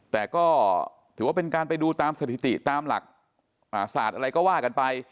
แต่ก็ถือว่าเป็นการไปดูตามสถิติตามหลักศาสตร์อะไรก็ว่ากันไป